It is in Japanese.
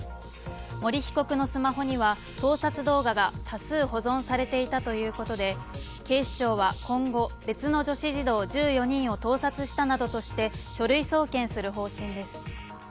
森被告のスマホには盗撮動画が多数保存されていたということで警視庁は今後、別の女子児童１４人を盗撮したなどとして書類送検する方針です。